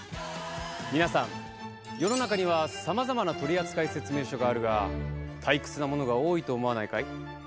皆さん、世の中にはさまざまな取扱説明書があるが退屈なものが多いと思わないかい。